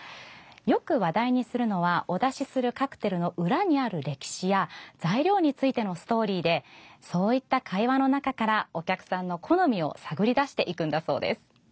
よく話題にするのは、お出しするカクテルの裏にある歴史や材料についてのストーリーでそういった会話の中からお客さんの好みを探り出していくんだそうです。